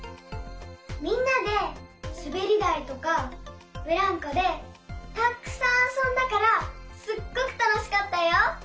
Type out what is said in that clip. みんなですべりだいとかブランコでたっくさんあそんだからすっごくたのしかったよ。